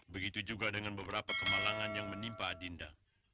begitu juga dengan beberapa kemalangan yang menimpa adinda